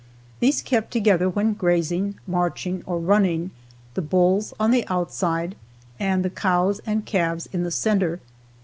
These kept together when grazing, marching or running, the bulls on the outside and the cows and calves in the center.